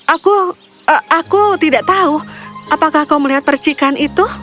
aku aku tidak tahu apakah kau melihat percikan itu